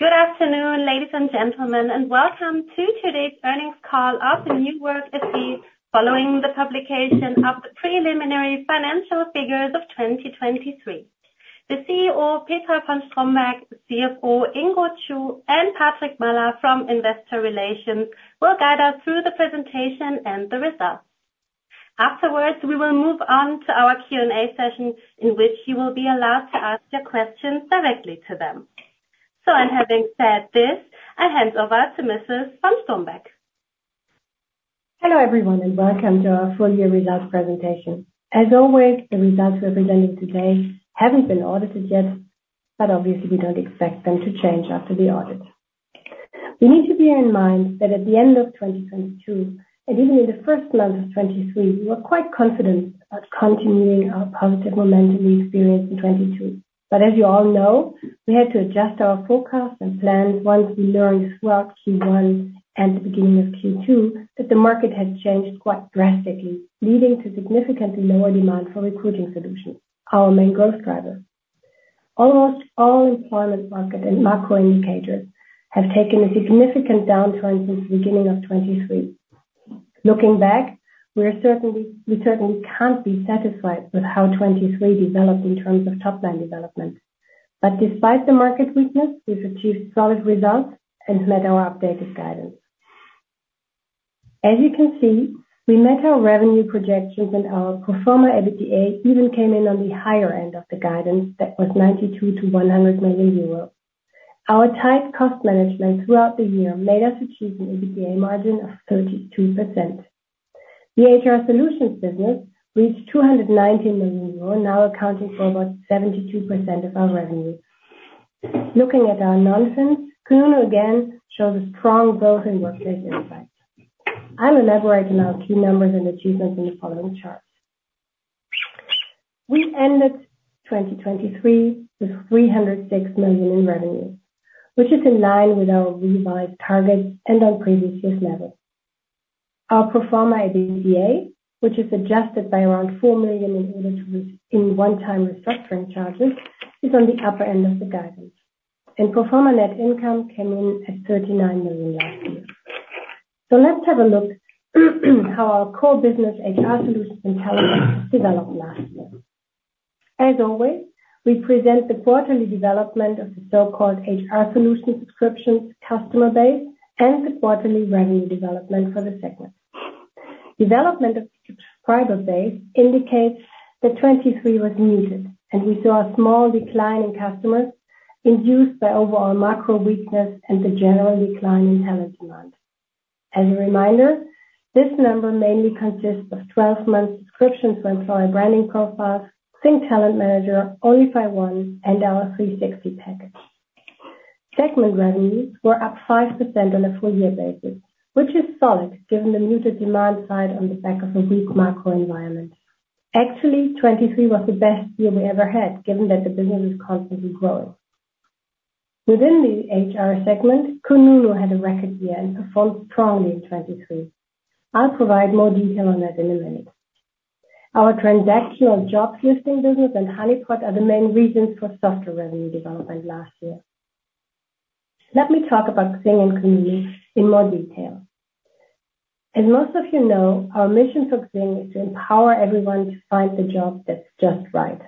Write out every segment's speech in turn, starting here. Good afternoon, ladies and gentlemen, and welcome to today's earnings call of the New Work SE following the publication of the preliminary financial figures of 2023. The CEO, Petra von Strombeck, CFO, Ingo Chu, and Patrick Möller from Investor Relations will guide us through the presentation and the results. Afterwards, we will move on to our Q&A session in which you will be allowed to ask your questions directly to them. So, and having said this, I hand over to Mrs. von Strombeck. Hello everyone and welcome to our full-year results presentation. As always, the results we're presenting today haven't been audited yet, but obviously we don't expect them to change after the audit. We need to bear in mind that at the end of 2022, and even in the first month of 2023, we were quite confident about continuing our positive momentum we experienced in 2022. But as you all know, we had to adjust our forecasts and plans once we learned throughout Q1 and the beginning of Q2 that the market had changed quite drastically, leading to significantly lower demand for recruiting solutions, our main growth driver. Almost all employment market and macro indicators have taken a significant downturn since the beginning of 2023. Looking back, we certainly can't be satisfied with how 2023 developed in terms of top-line development. But despite the market weakness, we've achieved solid results and met our updated guidance. As you can see, we met our revenue projections and our Performer EBITDA even came in on the higher end of the guidance that was 92-100 million euros. Our tight cost management throughout the year made us achieve an EBITDA margin of 32%. The HR solutions business reached 219 million euro, now accounting for about 72% of our revenue. Looking at our non-fins, Kununu again shows a strong growth in workplace insights. I'll elaborate on our key numbers and achievements in the following charts. We ended 2023 with 306 million in revenue, which is in line with our revised targets and on previous year's level. Our Performer EBITDA, which is adjusted for around 4 million in one-time restructuring charges, is on the upper end of the guidance. Pro forma net income came in at 39 million last year. So let's have a look at how our core business, HR solutions intelligence, developed last year. As always, we present the quarterly development of the so-called HR solution subscriptions customer base and the quarterly revenue development for the segment. Development of the subscriber base indicates that 2023 was muted, and we saw a small decline in customers induced by overall macro weakness and the general decline in talent demand. As a reminder, this number mainly consists of 12-months subscriptions for employer branding profiles, XING TalentManager, onlyfy one, and our 360 package. Segment revenues were up 5% on a full-year basis, which is solid given the muted demand side on the back of a weak macro environment. Actually, 2023 was the best year we ever had given that the business is constantly growing. Within the HR segment, kununu had a record year and performed strongly in 2023. I'll provide more detail on that in a minute. Our transactional jobs listing business and Honeypot are the main reasons for softer revenue development last year. Let me talk about XING and kununu in more detail. As most of you know, our mission for XING is to empower everyone to find the job that's just right.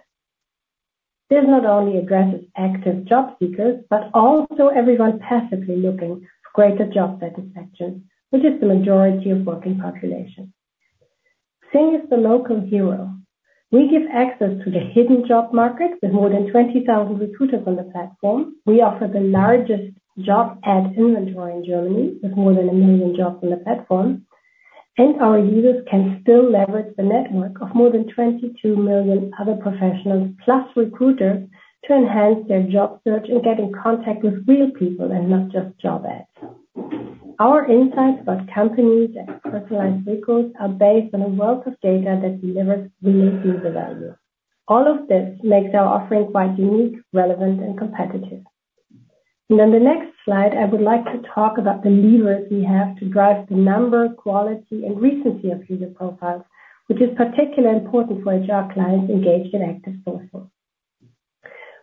This not only addresses active job seekers but also everyone passively looking for greater job satisfaction, which is the majority of the working population. XING is the local hero. We give access to the hidden job market with more than 20,000 recruiters on the platform. We offer the largest job ad inventory in Germany with more than 1 million jobs on the platform. Our users can still leverage the network of more than 22 million other professionals plus recruiters to enhance their job search and get in contact with real people and not just job ads. Our insights about companies and personalized recruits are based on a wealth of data that delivers real user value. All of this makes our offering quite unique, relevant, and competitive. And on the next slide, I would like to talk about the levers we have to drive the number, quality, and recency of user profiles, which is particularly important for HR clients engaged in active sourcing.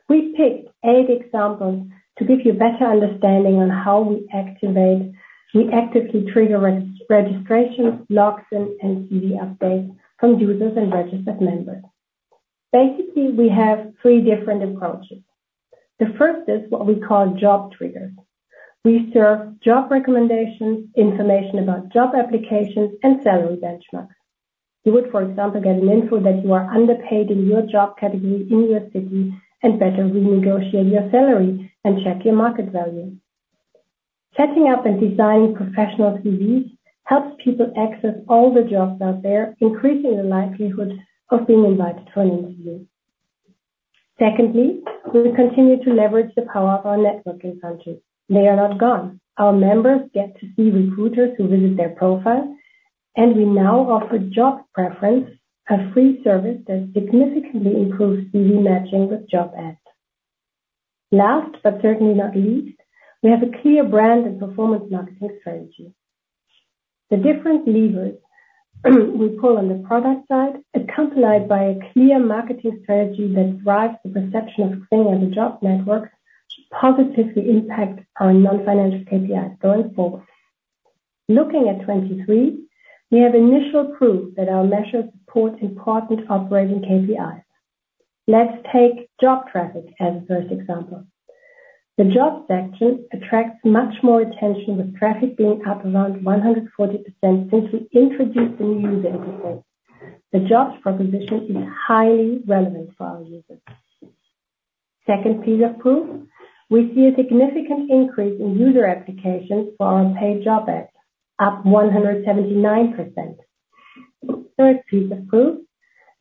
We picked eight examples to give you a better understanding on how we actively trigger registrations, logs, and CV updates from users and registered members. Basically, we have three different approaches. The first is what we call job triggers. We serve job recommendations, information about job applications, and salary benchmarks. You would, for example, get an info that you are underpaid in your job category in your city and better renegotiate your salary and check your market value. Setting up and designing professional CVs helps people access all the jobs out there, increasing the likelihood of being invited to an interview. Secondly, we continue to leverage the power of our network in countries. They are not gone. Our members get to see recruiters who visit their profile. And we now offer job preference, a free service that significantly improves CV matching with job ads. Last but certainly not least, we have a clear brand and performance marketing strategy. The different levers we pull on the product side, accompanied by a clear marketing strategy that drives the perception of XING as a job network, should positively impact our non-financial KPIs going forward. Looking at 2023, we have initial proof that our measures support important operating KPIs. Let's take job traffic as a first example. The job section attracts much more attention with traffic being up around 140% since we introduced the new user interface. The jobs proposition is highly relevant for our users. Second piece of proof, we see a significant increase in user applications for our paid job ads, up 179%. Third piece of proof,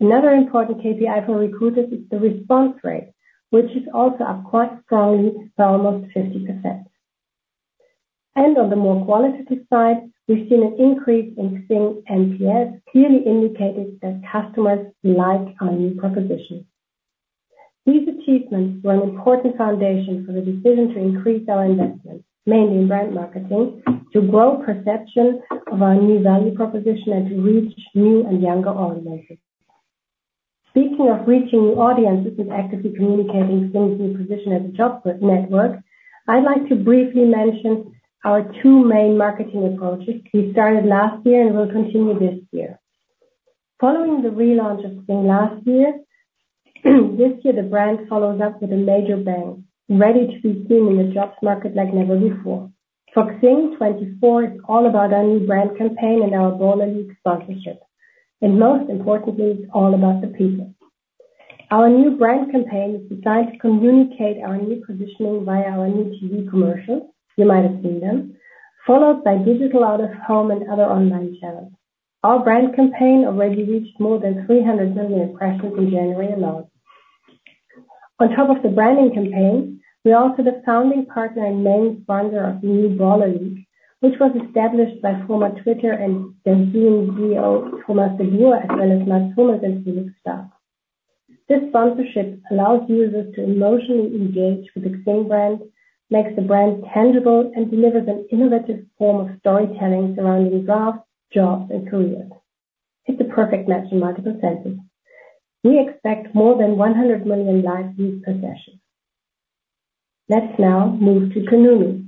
another important KPI for recruiters is the response rate, which is also up quite strongly by almost 50%. And on the more qualitative side, we've seen an increase in XING NPS, clearly indicating that customers like our new proposition. These achievements were an important foundation for the decision to increase our investment, mainly in brand marketing, to grow perception of our new value proposition, and to reach new and younger audiences. Speaking of reaching new audiences and actively communicating XING's new position as a job network, I'd like to briefly mention our two main marketing approaches we started last year and will continue this year. Following the relaunch of XING last year, this year the brand follows up with a major bang, ready to be seen in the jobs market like never before. For XING, 2024 is all about our new brand campaign and our Baller League sponsorship. And most importantly, it's all about the people. Our new brand campaign is designed to communicate our new positioning via our new TV commercials - you might have seen them - followed by digital out-of-home and other online channels. Our brand campaign already reached more than 300 million impressions in January alone. On top of the branding campaign, we also have founding partner and main sponsor of the new Baller League, which was established by former Twitter and DAZN CEO Thomas de Buhr as well as Mats Hummels and Felix Starck. This sponsorship allows users to emotionally engage with the XING brand, makes the brand tangible, and delivers an innovative form of storytelling surrounding drafts, jobs, and careers. It's a perfect match in multiple senses. We expect more than 100 million live views per session. Let's now move to kununu.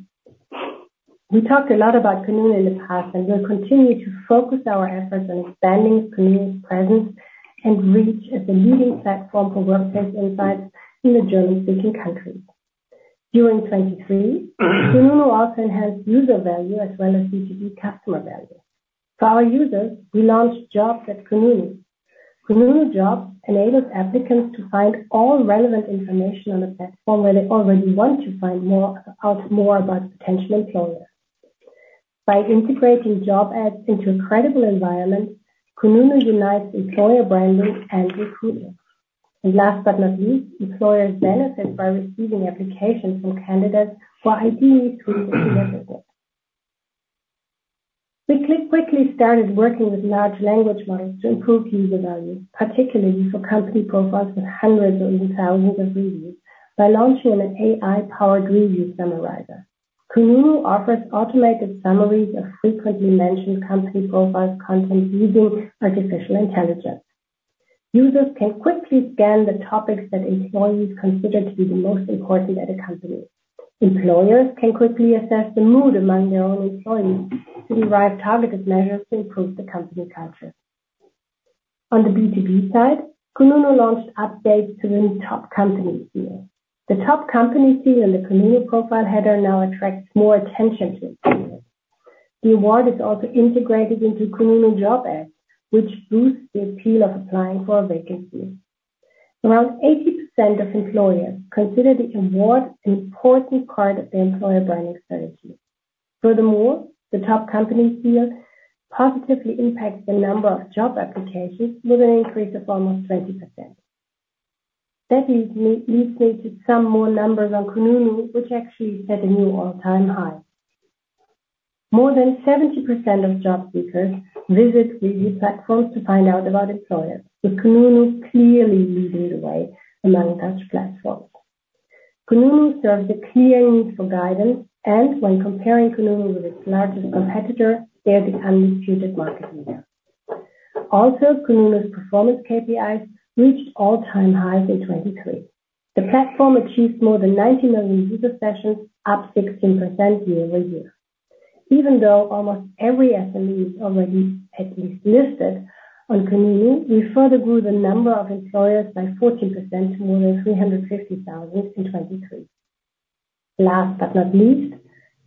We talked a lot about kununu in the past, and we'll continue to focus our efforts on expanding kununu's presence and reach as a leading platform for workplace insights in the German-speaking countries. During 2023, kununu also enhanced user value as well as B2B customer value. For our users, we launched Jobs at kununu. Kununu Jobs enables applicants to find all relevant information on a platform where they already want to find more about potential employers. By integrating job ads into a credible environment, kununu unites employer branding and recruiters. Last but not least, employers benefit by receiving applications from candidates who are ideally suited to the business. We quickly started working with large language models to improve user value, particularly for company profiles with hundreds or even thousands of reviews, by launching an AI-powered review summarizer. Kununu offers automated summaries of frequently mentioned company profiles' content using artificial intelligence. Users can quickly scan the topics that employees consider to be the most important at a company. Employers can quickly assess the mood among their own employees to derive targeted measures to improve the company culture. On the B2B side, kununu launched updates to the Top Company Seal. The Top Company Seal in the kununu profile header now attracts more attention to its users. The award is also integrated into kununu Job Ads, which boosts the appeal of applying for a vacancy. Around 80% of employers consider the award an important part of their employer branding strategy. Furthermore, the Top Company Seal positively impacts the number of job applications with an increase of almost 20%. That leads me to some more numbers on kununu, which actually set a new all-time high. More than 70% of job seekers visit review platforms to find out about employers, with kununu clearly leading the way among such platforms. kununu serves a clear need for guidance, and when comparing kununu with its largest competitor, they are the undisputed market leader. Also, kununu's performance KPIs reached all-time highs in 2023. The platform achieved more than 90 million user sessions, up 16% year-over-year. Even though almost every SME is already at least listed on kununu, we further grew the number of employers by 14% to more than 350,000 in 2023. Last but not least,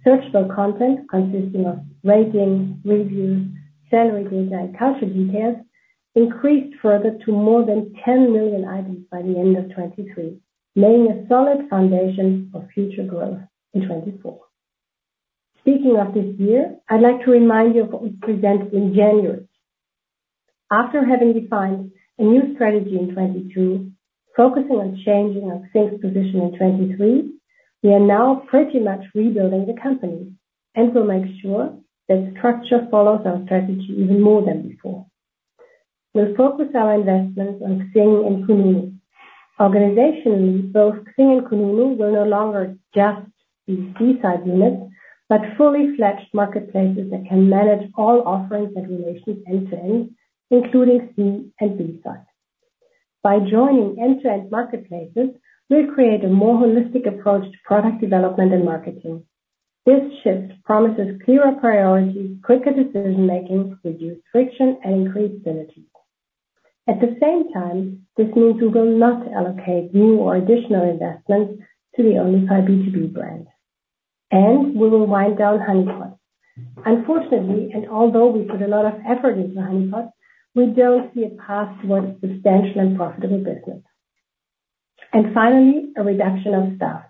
searchable content consisting of rating, reviews, salary data, and culture details increased further to more than 10 million items by the end of 2023, laying a solid foundation for future growth in 2024. Speaking of this year, I'd like to remind you of what we presented in January. After having defined a new strategy in 2022 focusing on changing XING's position in 2023, we are now pretty much rebuilding the company and will make sure that structure follows our strategy even more than before. We'll focus our investments on XING and kununu. Organizationally, both XING and kununu will no longer just be C-side units but full-fledged marketplaces that can manage all offerings and relations end-to-end, including C and B-side. By joining end-to-end marketplaces, we'll create a more holistic approach to product development and marketing. This shift promises clearer priorities, quicker decision-making, reduced friction, and increased synergy. At the same time, this means we will not allocate new or additional investments to the onlyfy one B2B brand. We will wind down Honeypot. Unfortunately, and although we put a lot of effort into Honeypot, we don't see a path towards substantial and profitable business. Finally, a reduction of staff.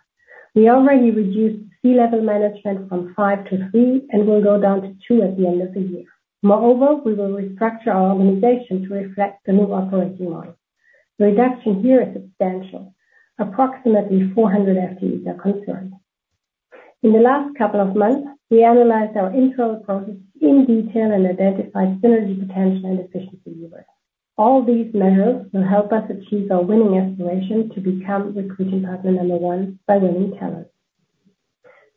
We already reduced C-level management from five to three and will go down to two at the end of the year. Moreover, we will restructure our organization to reflect the new operating model. The reduction here is substantial. Approximately 400 FTEs are concerned. In the last couple of months, we analyzed our internal processes in detail and identified synergy potential and efficiency levers. All these measures will help us achieve our winning aspiration to become recruiting partner number one by winning talent.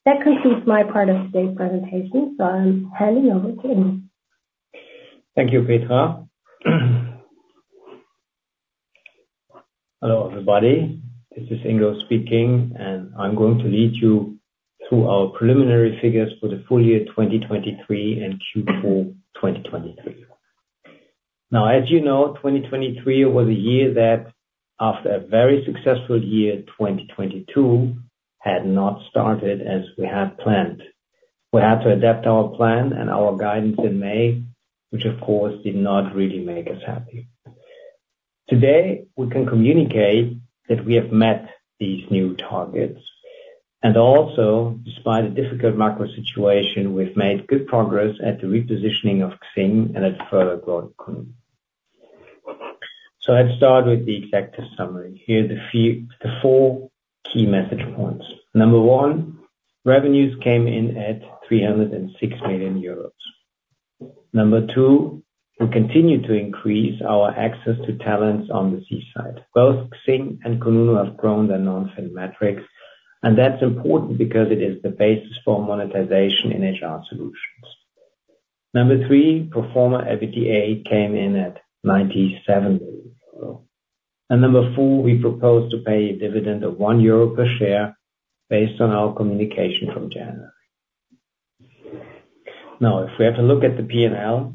That concludes my part of today's presentation, so I'm handing over to Ingo. Thank you, Petra. Hello, everybody. This is Ingo speaking, and I'm going to lead you through our preliminary figures for the full year 2023 and Q4 2023. Now, as you know, 2023 was a year that, after a very successful year, 2022 had not started as we had planned. We had to adapt our plan and our guidance in May, which, of course, did not really make us happy. Today, we can communicate that we have met these new targets. Also, despite a difficult macro situation, we've made good progress at the repositioning of XING and at further growth of kununu. So let's start with the executive summary. Here are the four key message points. Number one, revenues came in at 306 million euros. Number two, we continue to increase our access to talents on the C-side. Both XING and kununu have grown their non-fin metrics, and that's important because it is the basis for monetization in HR solutions. Number three, performer EBITDA came in at 97 million. And number four, we propose to pay a dividend of 1 euro per share based on our communication from January. Now, if we have a look at the P&L,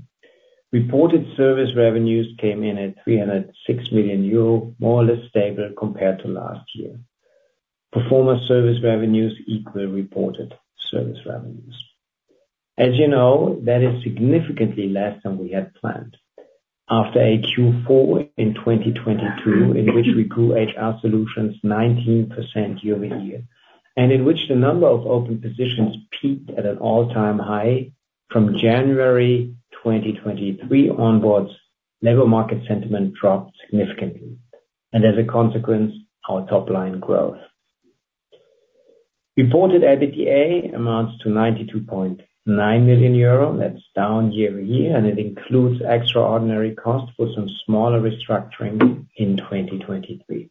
reported service revenues came in at 306 million euro, more or less stable compared to last year. Pro forma service revenues equal reported service revenues. As you know, that is significantly less than we had planned after a Q4 in 2022 in which we grew HR solutions 19% year-over-year and in which the number of open positions peaked at an all-time high. From January 2023 onwards, labor market sentiment dropped significantly and, as a consequence, our top-line growth. Reported EBITDA amounts to 92.9 million euro. That's down year-over-year, and it includes extraordinary costs for some smaller restructuring in 2023.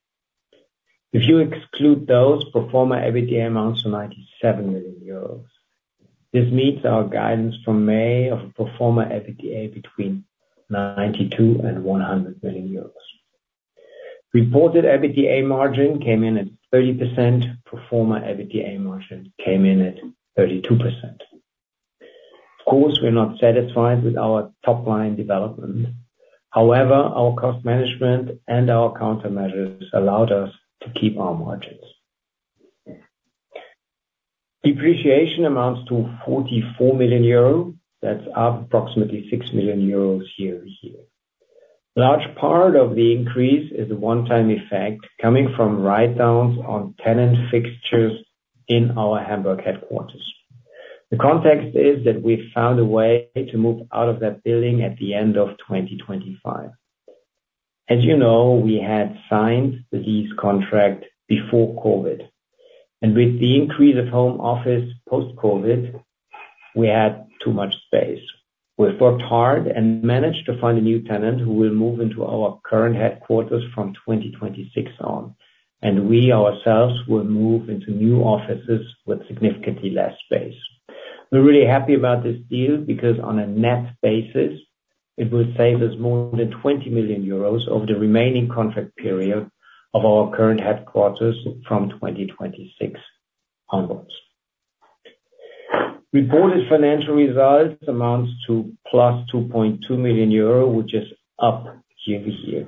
If you exclude those, Pro forma EBITDA amounts to 97 million euros. This meets our guidance from May of a Pro forma EBITDA between 92 million-100 million euros. Reported EBITDA margin came in at 30%. Pro forma EBITDA margin came in at 32%. Of course, we're not satisfied with our top-line development. However, our cost management and our countermeasures allowed us to keep our margins. Depreciation amounts to 44 million euro. That's up approximately 6 million euros year-over-year. A large part of the increase is the one-time effect coming from write-downs on tenant fixtures in our Hamburg headquarters. The context is that we found a way to move out of that building at the end of 2025. As you know, we had signed the lease contract before COVID. And with the increase of home office post-COVID, we had too much space. We've worked hard and managed to find a new tenant who will move into our current headquarters from 2026 on. And we ourselves will move into new offices with significantly less space. We're really happy about this deal because, on a net basis, it will save us more than 20 million euros over the remaining contract period of our current headquarters from 2026 onwards. Reported financial results amount to +2.2 million euro, which is up year-over-year.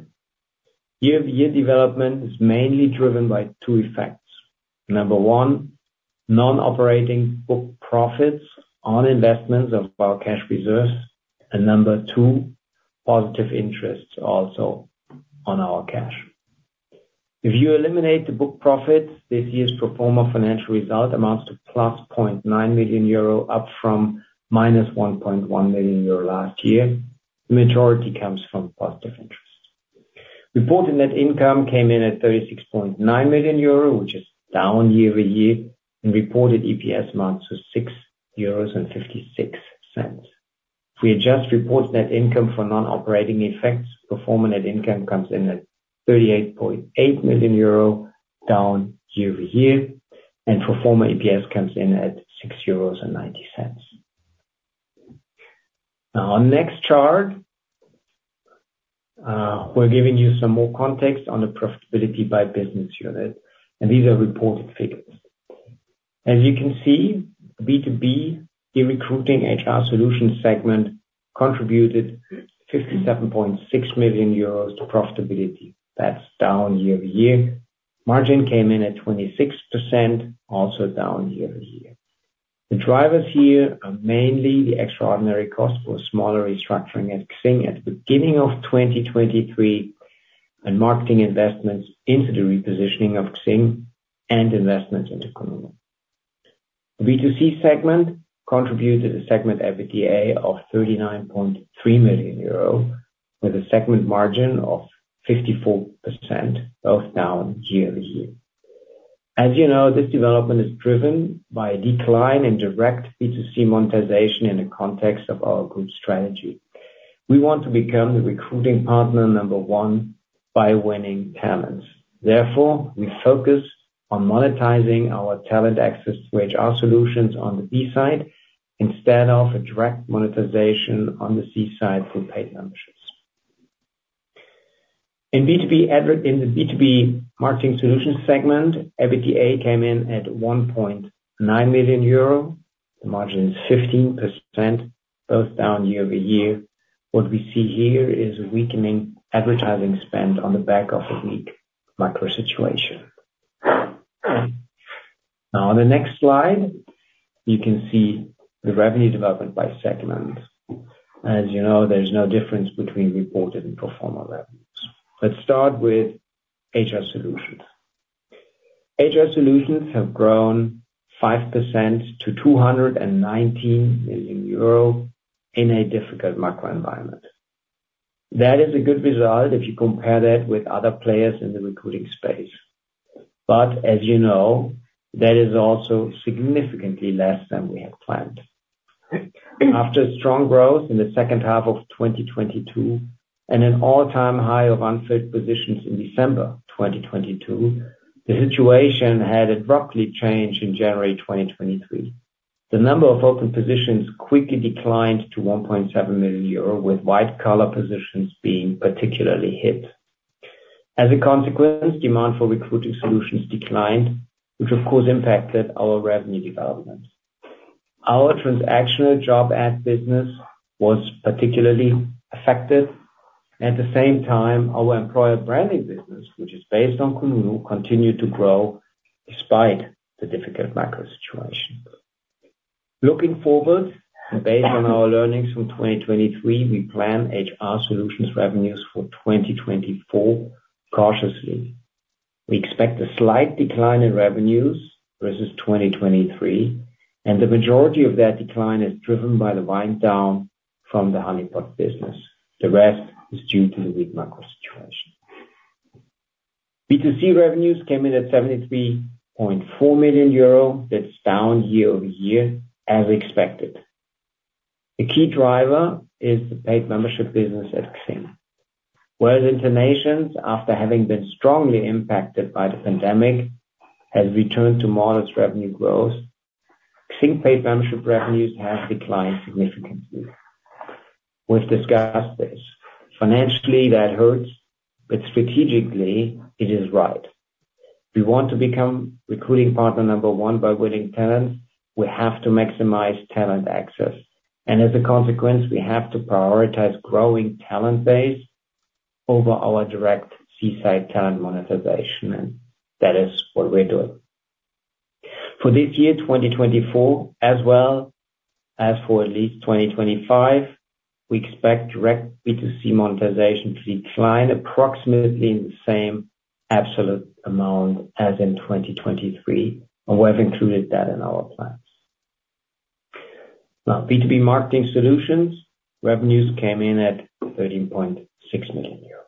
Year-over-year development is mainly driven by two effects. Number one, non-operating book profits on investments of our cash reserves. Number two, positive interests also on our cash. If you eliminate the book profits, this year's Pro forma financial result amounts to +0.9 million euro, up from -1.1 million euro last year. The majority comes from positive interest. Reported net income came in at 36.9 million euro, which is down year-over-year. Reported EPS amounts to 6.56 euros. If we adjust reported net income for non-operating effects, Pro forma net income comes in at 38.8 million euro, down year-over-year. Pro forma EPS comes in at 6.90 euros. Now, on the next chart, we're giving you some more context on the profitability by business unit. These are reported figures. As you can see, B2B, the recruiting HR solutions segment, contributed 57.6 million euros to profitability. That's down year-over-year. Margin came in at 26%, also down year-over-year. The drivers here are mainly the extraordinary costs for smaller restructuring at XING at the beginning of 2023 and marketing investments into the repositioning of XING and investments into kununu. The B2C segment contributed a segment EBITDA of 39.3 million euro with a segment margin of 54%, both down year-over-year. As you know, this development is driven by a decline in direct B2C monetization in the context of our group strategy. We want to become the recruiting partner number one by winning talents. Therefore, we focus on monetizing our talent access to HR solutions on the B-side instead of a direct monetization on the C-side through paid memberships. In the B2B marketing solutions segment, EBITDA came in at 1.9 million euro. The margin is 15%, both down year-over-year. What we see here is a weakening advertising spend on the back of a weak macro situation. Now, on the next slide, you can see the revenue development by segment. As you know, there's no difference between reported and performer revenues. Let's start with HR solutions. HR solutions have grown 5% to 219 million euro in a difficult macro environment. That is a good result if you compare that with other players in the recruiting space. But as you know, that is also significantly less than we had planned. After strong growth in the second half of 2022 and an all-time high of unfilled positions in December 2022, the situation had abruptly changed in January 2023. The number of open positions quickly declined to 1.7 million euro, with white-collar positions being particularly hit. As a consequence, demand for recruiting solutions declined, which, of course, impacted our revenue development. Our transactional job ad business was particularly affected. At the same time, our employer branding business, which is based on kununu, continued to grow despite the difficult macro situation. Looking forward and based on our learnings from 2023, we plan HR solutions revenues for 2024 cautiously. We expect a slight decline in revenues versus 2023. The majority of that decline is driven by the wind-down from the Honeypot business. The rest is due to the weak macro situation. B2C revenues came in at 73.4 million euro. That's down year-over-year as expected. A key driver is the paid membership business at XING. Whereas InterNations, after having been strongly impacted by the pandemic, have returned to modest revenue growth, XING paid membership revenues have declined significantly. We've discussed this. Financially, that hurts. But strategically, it is right. We want to become recruiting partner number one by winning talents. We have to maximize talent access. And as a consequence, we have to prioritize growing talent base over our direct C-side talent monetization. And that is what we're doing. For this year, 2024, as well as for at least 2025, we expect direct B2C monetization to decline approximately in the same absolute amount as in 2023. And we have included that in our plans. Now, B2B marketing solutions revenues came in at 13.6 million euros.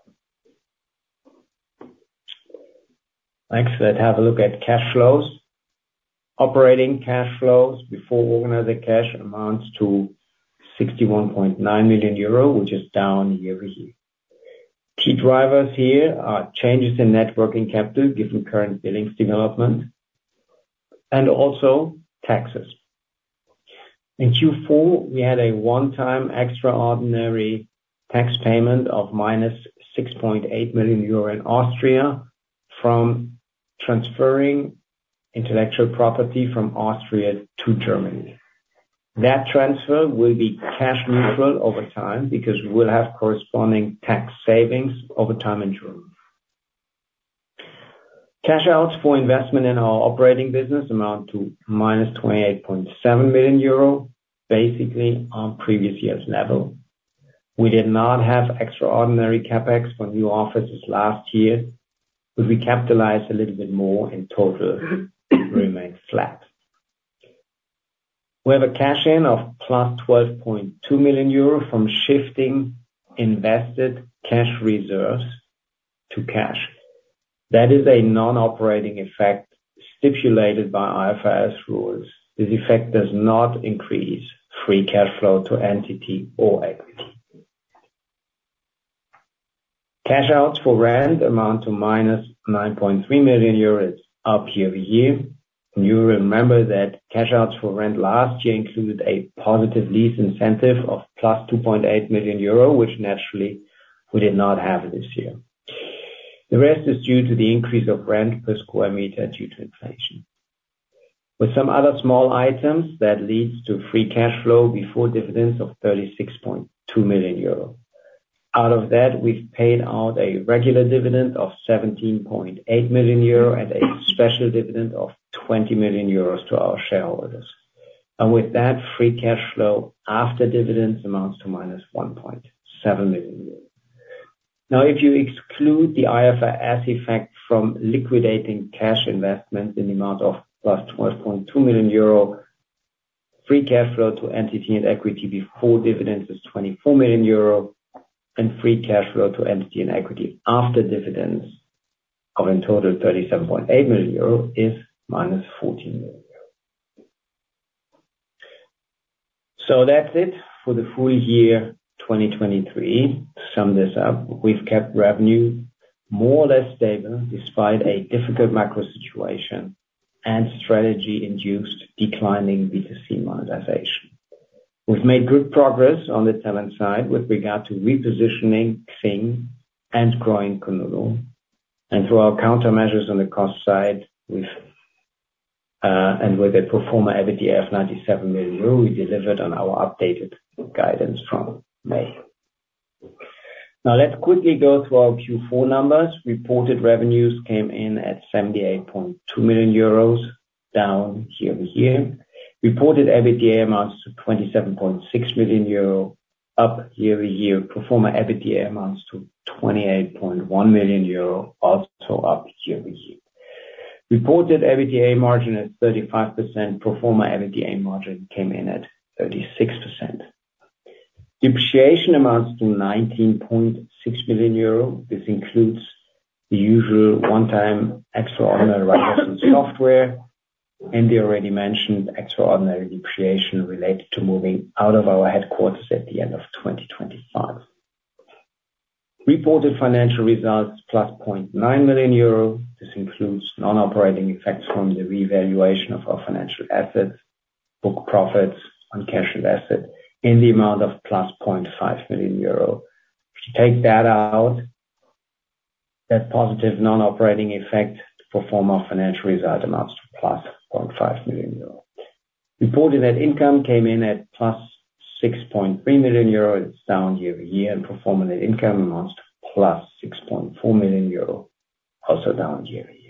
Next, let's have a look at cash flows. Operating cash flows before organized cash amounts to 61.9 million euro, which is down year-over-year. Key drivers here are changes in net working capital given current billings development and also taxes. In Q4, we had a one-time extraordinary tax payment of -6.8 million euro in Austria from transferring intellectual property from Austria to Germany. That transfer will be cash neutral over time because we'll have corresponding tax savings over time in Germany. Cash outs for investment in our operating business amount to -28.7 million euro, basically on previous year's level. We did not have extraordinary CapEx for new offices last year. But we capitalized a little bit more, and total remained flat. We have a cash in of +12.2 million euro from shifting invested cash reserves to cash. That is a non-operating effect stipulated by IFRS rules. This effect does not increase free cash flow to entity or equity. Cash outs for rent amount to -9.3 million euros. It's up year-over-year. You remember that cash outs for rent last year included a positive lease incentive of plus 2.8 million euro, which naturally, we did not have this year. The rest is due to the increase of rent per square meter due to inflation. With some other small items, that leads to free cash flow before dividends of 36.2 million euro. Out of that, we've paid out a regular dividend of 17.8 million euro and a special dividend of 20 million euros to our shareholders. And with that, free cash flow after dividends amounts to -1.7 million euros. Now, if you exclude the IFRS effect from liquidating cash investments in the amount of +12.2 million euro, free cash flow to entity and equity before dividends is 24 million euro. Free cash flow to entity and equity after dividends of, in total, 37.8 million euro is -14 million euro. That's it for the full year 2023. To sum this up, we've kept revenue more or less stable despite a difficult macro situation and strategy-induced declining B2C monetization. We've made good progress on the talent side with regard to repositioning XING and growing kununu. Through our countermeasures on the cost side and with a performer EBITDA of 97 million, we delivered on our updated guidance from May. Now, let's quickly go through our Q4 numbers. Reported revenues came in at 78.2 million euros, down year-over-year. Reported EBITDA amounts to 27.6 million euro, up year-over-year. Performer EBITDA amounts to 28.1 million euro, also up year-over-year. Reported EBITDA margin is 35%. Performer EBITDA margin came in at 36%. Depreciation amounts to 19.6 million euro. This includes the usual one-time extraordinary write-downs on software and the already mentioned extraordinary depreciation related to moving out of our headquarters at the end of 2025. Reported financial results +0.9 million euro. This includes non-operating effects from the revaluation of our financial assets, book profits on cash and assets, and the amount of +0.5 million euro. If you take that out, that positive non-operating effect to pro forma financial result amounts to +0.5 million euro. Reported net income came in at +6.3 million euro. It's down year-over-year. Performance net income amounts to +6.4 million euro, also down year-over-year.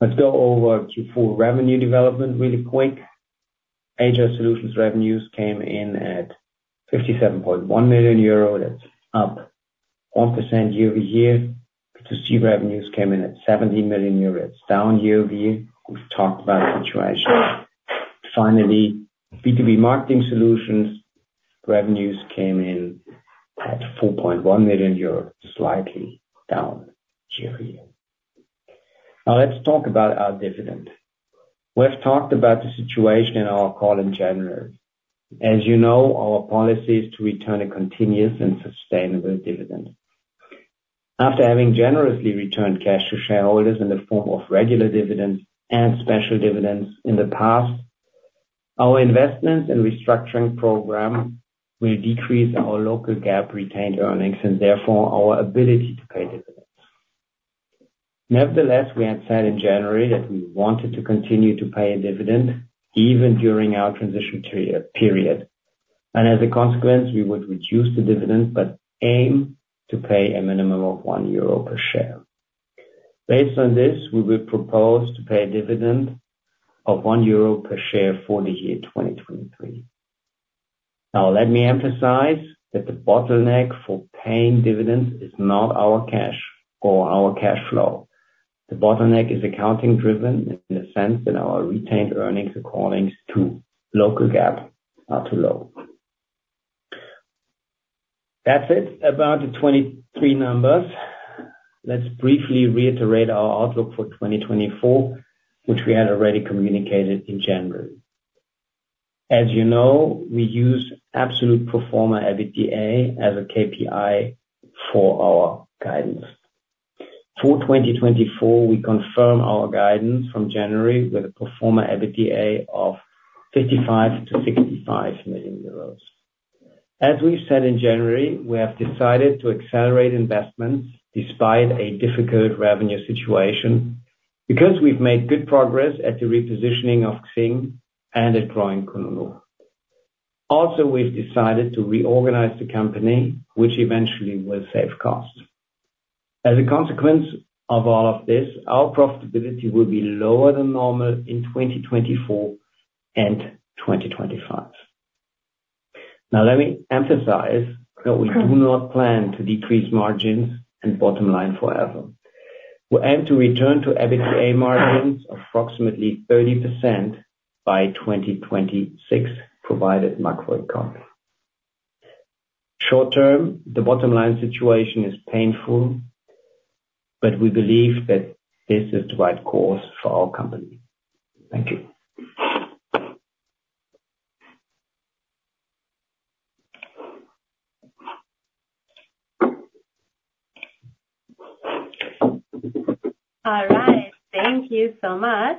Let's go over Q4 revenue development really quick. HR solutions revenues came in at 57.1 million euro. That's up 1% year-over-year. B2C revenues came in at 70 million euros. It's down year-over-year. We've talked about the situation. Finally, B2B marketing solutions revenues came in at 4.1 million euros, slightly down year-over-year. Now, let's talk about our dividend. We have talked about the situation in our call in general. As you know, our policy is to return a continuous and sustainable dividend. After having generously returned cash to shareholders in the form of regular dividends and special dividends in the past, our investments and restructuring program will decrease our local GAAP retained earnings and, therefore, our ability to pay dividends. Nevertheless, we had said in January that we wanted to continue to pay a dividend even during our transition period. As a consequence, we would reduce the dividend but aim to pay a minimum of 1 euro per share. Based on this, we will propose to pay a dividend of 1 euro per share for the year 2023. Now, let me emphasize that the bottleneck for paying dividends is not our cash or our cash flow. The bottleneck is accounting-driven in the sense that our retained earnings according to local GAAP are too low. That's it about the 2023 numbers. Let's briefly reiterate our outlook for 2024, which we had already communicated in general. As you know, we use absolute pro forma EBITDA as a KPI for our guidance. For 2024, we confirm our guidance from January with a pro forma EBITDA of 55 million-65 million euros. As we've said in January, we have decided to accelerate investments despite a difficult revenue situation because we've made good progress at the repositioning of XING and at growing kununu. Also, we've decided to reorganize the company, which eventually will save costs. As a consequence of all of this, our profitability will be lower than normal in 2024 and 2025. Now, let me emphasize that we do not plan to decrease margins and bottom line forever. We aim to return to EBITDA margins of approximately 30% by 2026 provided macro economy. Short term, the bottom line situation is painful. But we believe that this is the right course for our company. Thank you. All right. Thank you so much.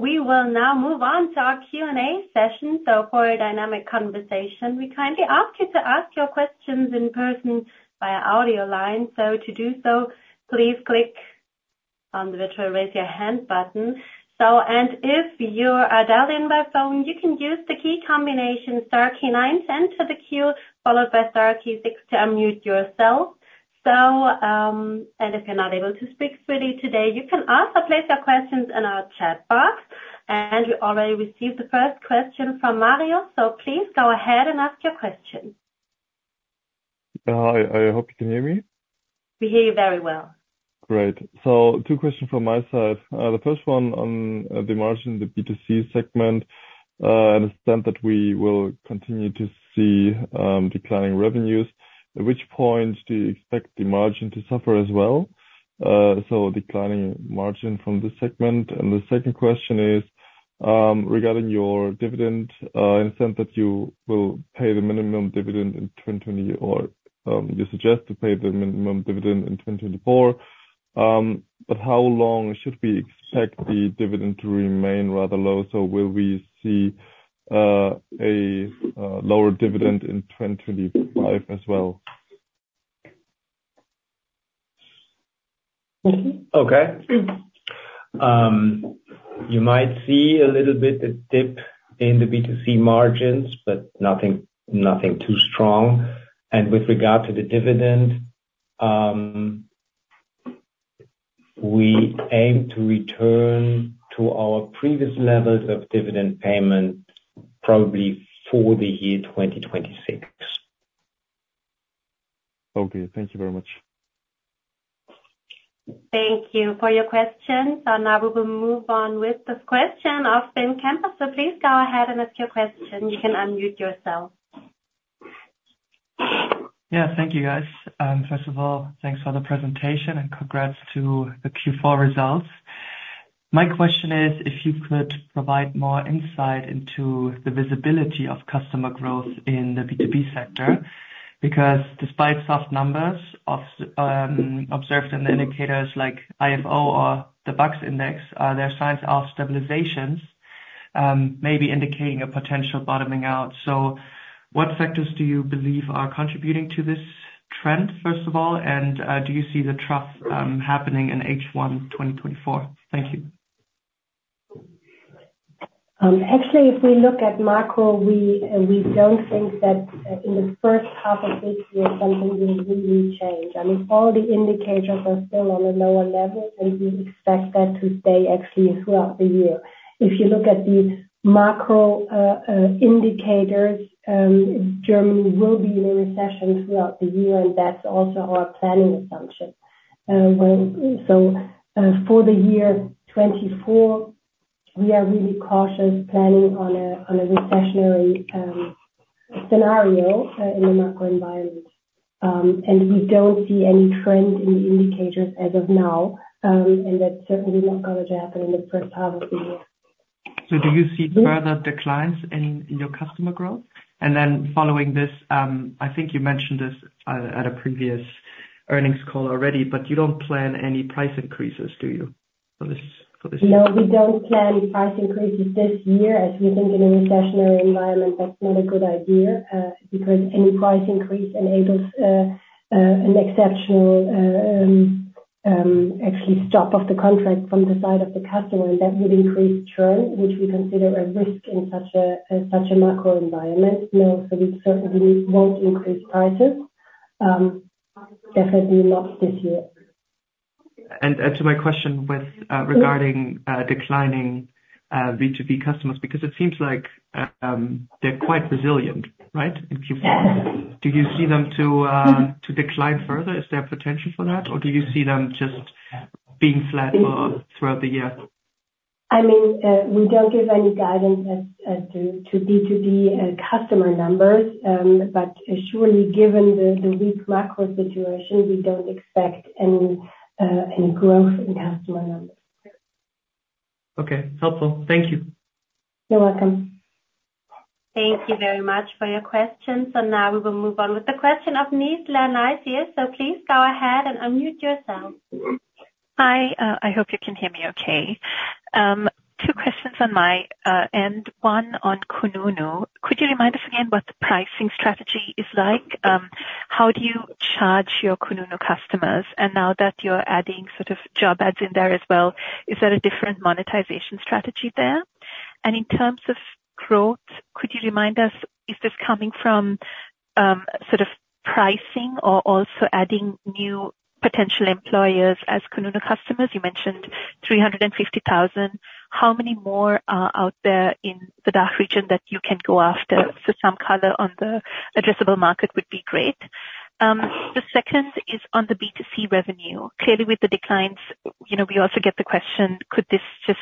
We will now move on to our Q&A session. For a dynamic conversation, we kindly ask you to ask your questions in person via audio line. To do so, please click on the virtual raise your hand button. And if you are dialing by phone, you can use the key combination star key 9 to enter the queue followed by star key six to unmute yourself. And if you're not able to speak freely today, you can also place your questions in our chat box. And we already received the first question from Mario. Please go ahead and ask your question. I hope you can hear me. We hear you very well. Great. So two questions from my side. The first one on the margin in the B2C segment. I understand that we will continue to see declining revenues. At which point do you expect the margin to suffer as well? So declining margin from this segment. And the second question is regarding your dividend. I understand that you will pay the minimum dividend in 2020 or you suggest to pay the minimum dividend in 2024. But how long should we expect the dividend to remain rather low? So will we see a lower dividend in 2025 as well? Okay. You might see a little bit of dip in the B2C margins, but nothing too strong. With regard to the dividend, we aim to return to our previous levels of dividend payment probably for the year 2026. Okay. Thank you very much. Thank you for your questions. Now we will move on with this question of Ben Campos. Please go ahead and ask your question. You can unmute yourself. Yeah. Thank you, guys. First of all, thanks for the presentation. And congrats to the Q4 results. My question is if you could provide more insight into the visibility of customer growth in the B2B sector because despite soft numbers observed in the indicators like IFO or the BAX index, there are signs of stabilizations maybe indicating a potential bottoming out. So what factors do you believe are contributing to this trend, first of all? And do you see the trough happening in H1 2024? Thank you. Actually, if we look at macro, we don't think that in the first half of this year, something will really change. I mean, all the indicators are still on a lower level. And we expect that to stay actually throughout the year. If you look at the macro indicators, Germany will be in a recession throughout the year. And that's also our planning assumption. So for the year 2024, we are really cautious planning on a recessionary scenario in the macro environment. And we don't see any trend in the indicators as of now. And that's certainly not going to happen in the first half of the year. Do you see further declines in your customer growth? Then following this, I think you mentioned this at a previous earnings call already. But you don't plan any price increases, do you, for this year? No, we don't plan price increases this year as we think in a recessionary environment, that's not a good idea because any price increase enables an exceptional actually stop of the contract from the side of the customer. That would increase churn, which we consider a risk in such a macro environment. No, so we certainly won't increase prices. Definitely not this year. To my question regarding declining B2B customers because it seems like they're quite resilient, right, in Q4. Do you see them to decline further? Is there potential for that? Or do you see them just being flat throughout the year? I mean, we don't give any guidance to B2B customer numbers. But surely, given the weak macro situation, we don't expect any growth in customer numbers. Okay. Helpful. Thank you. You're welcome. Thank you very much for your questions. Now we will move on with the question of Nizla Naizer. Please go ahead and unmute yourself. Hi. I hope you can hear me okay. Two questions on my end, one on kununu. Could you remind us again what the pricing strategy is like? How do you charge your kununu customers? And now that you're adding sort of job ads in there as well, is there a different monetization strategy there? And in terms of growth, could you remind us, is this coming from sort of pricing or also adding new potential employers as kununu customers? You mentioned 350,000. How many more are out there in the DACH region that you can go after? So some color on the addressable market would be great. The second is on the B2C revenue. Clearly, with the declines, we also get the question, could this just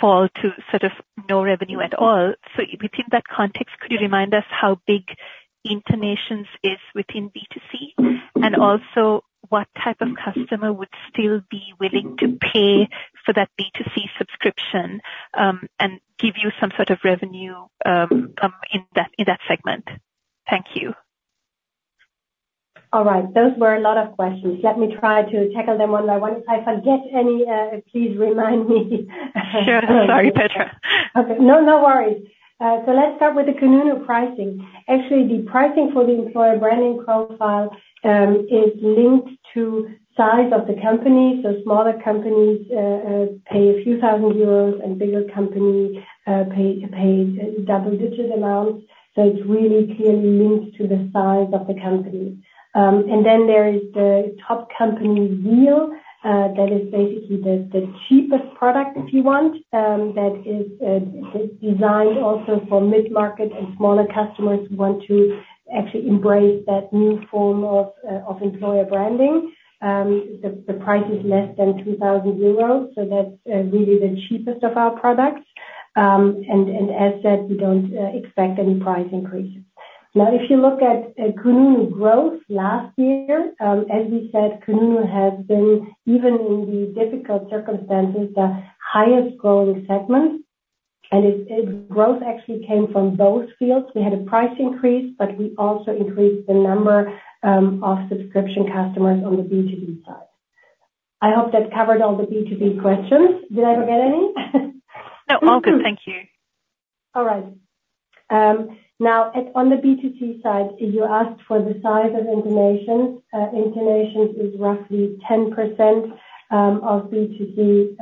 fall to sort of no revenue at all? So within that context, could you remind us how big InterNations is within B2C? Also, what type of customer would still be willing to pay for that B2C subscription and give you some sort of revenue in that segment? Thank you. All right. Those were a lot of questions. Let me try to tackle them one by one. If I forget any, please remind me. Sure. Sorry, Petra. Okay. No, no worries. So let's start with the kununu pricing. Actually, the pricing for the employer branding profile is linked to size of the company. So smaller companies pay a few thousand EUR. And bigger companies pay double-digit EUR amounts. So it's really clearly linked to the size of the company. And then there is the Top Company Seal that is basically the cheapest product, if you want. That is designed also for mid-market and smaller customers who want to actually embrace that new form of employer branding. The price is less than 2,000 euros. So that's really the cheapest of our products. And as said, we don't expect any price increases. Now, if you look at kununu growth last year, as we said, kununu has been, even in the difficult circumstances, the highest-growing segment. And growth actually came from both fields. We had a price increase. But we also increased the number of subscription customers on the B2B side. I hope that covered all the B2B questions. Did I forget any? No, all good. Thank you. All right. Now, on the B2C side, you asked for the size of InterNations. InterNations is roughly 10% of B2C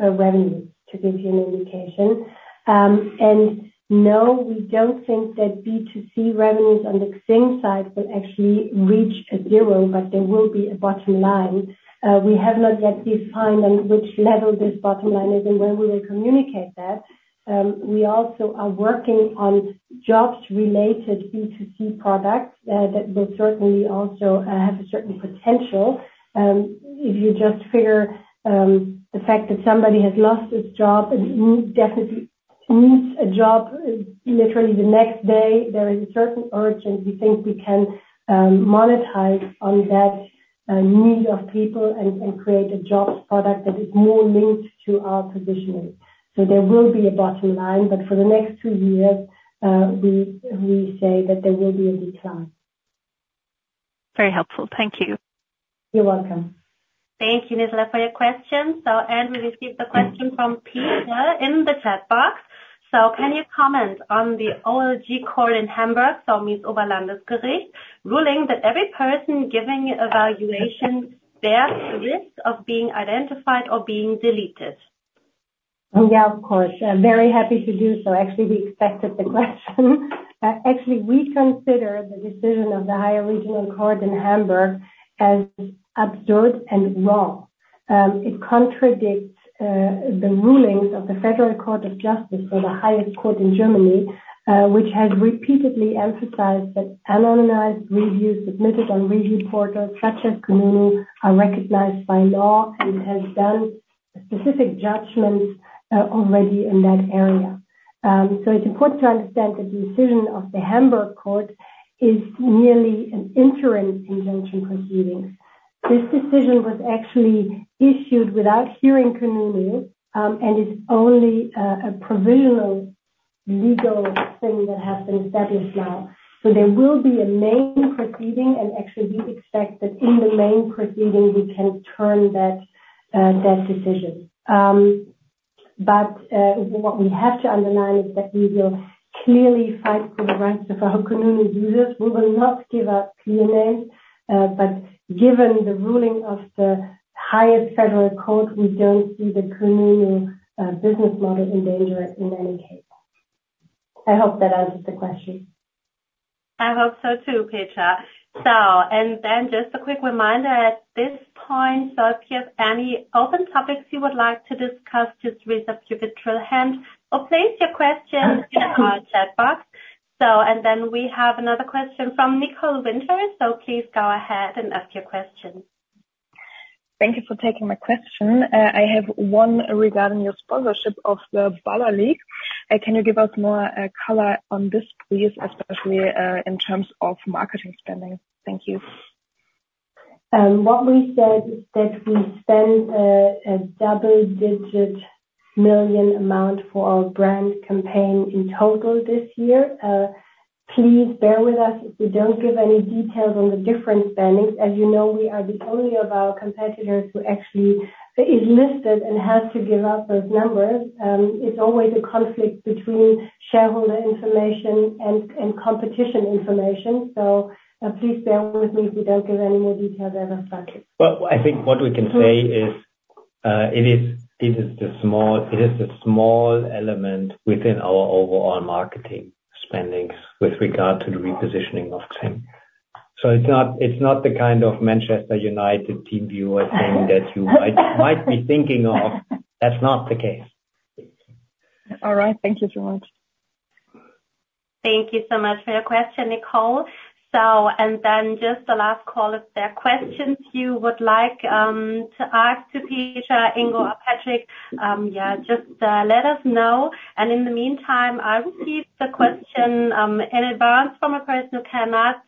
revenue, to give you an indication. And no, we don't think that B2C revenues on the XING side will actually reach a zero. But there will be a bottom line. We have not yet defined on which level this bottom line is and where we will communicate that. We also are working on jobs-related B2C products that will certainly also have a certain potential. If you just figure the fact that somebody has lost his job and definitely needs a job literally the next day, there is a certain urgency. We think we can monetize on that need of people and create a jobs product that is more linked to our positioning. So there will be a bottom line. But for the next two years, we say that there will be a decline. Very helpful. Thank you. You're welcome. Thank you, Nizla, for your question. We received the question from Peter in the chat box. So can you comment on the OLG Court in Hamburg, so Oberlandesgericht, ruling that every person giving evaluation bears the risk of being identified or being deleted? Yeah, of course. Very happy to do so. Actually, we expected the question. Actually, we consider the decision of the Higher Regional Court in Hamburg as absurd and wrong. It contradicts the rulings of the Federal Court of Justice, so the highest court in Germany, which has repeatedly emphasized that anonymized reviews submitted on review portals such as kununu are recognized by law and has done specific judgments already in that area. It's important to understand that the decision of the Hamburg Court is merely an interim injunction proceedings. This decision was actually issued without hearing kununu. It's only a provisional legal thing that has been established now. There will be a main proceeding. Actually, we expect that in the main proceeding, we can turn that decision. What we have to underline is that we will clearly fight for the rights of our kununu users. We will not give up peer names. But given the ruling of the highest federal court, we don't see the kununu business model endangered in any case. I hope that answers the question. I hope so too, Petra. Then just a quick reminder at this point. If you have any open topics you would like to discuss, just raise up your virtual hand or place your question in our chat box. We have another question from Nicole Winkler. Please go ahead and ask your question. Thank you for taking my question. I have one regarding your sponsorship of the Baller League. Can you give us more color on this, please, especially in terms of marketing spending? Thank you. What we said is that we spend a double-digit million EUR amount for our brand campaign in total this year. Please bear with us if we don't give any details on the different spendings. As you know, we are the only of our competitors who actually is listed and has to give up those numbers. It's always a conflict between shareholder information and competition information. So please bear with me if we don't give any more details as of structure. Well, I think what we can say is it is the small element within our overall marketing spendings with regard to the repositioning of XING. So it's not the kind of Manchester United TeamViewer or thing that you might be thinking of. That's not the case. All right. Thank you so much. Thank you so much for your question, Nicole. Then just the last call. If there are questions you would like to ask to Petra, Ingo, or Patrick Möller, yeah, just let us know. In the meantime, I received the question in advance from a person who cannot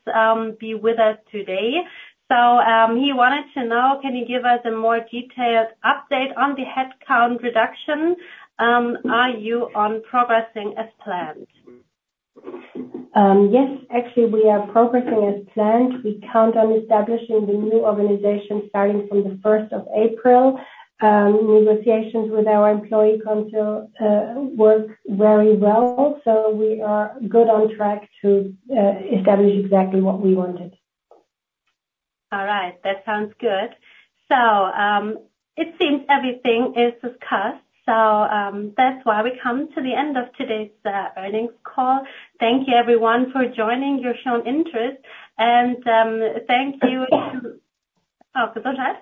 be with us today. So he wanted to know, can you give us a more detailed update on the headcount reduction? Are you on progressing as planned? Yes. Actually, we are progressing as planned. We count on establishing the new organization starting from the 1st of April. Negotiations with our employee council work very well. So we are good on track to establish exactly what we wanted. All right. That sounds good. It seems everything is discussed. That's why we come to the end of today's earnings call. Thank you, everyone, for joining. You've shown interest. And thank you to Petra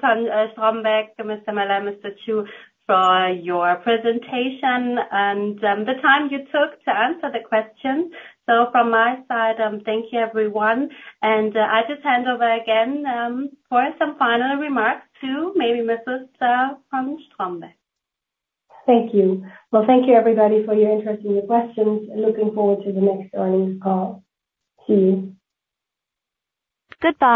von Strombeck, Mr. Möller, Mr. Chu for your presentation and the time you took to answer the questions. From my side, thank you, everyone. And I just hand over again for some final remarks to maybe Mrs. von Strombeck. Thank you. Well, thank you, everybody, for your interest in your questions. Looking forward to the next earnings call. See you. Goodbye.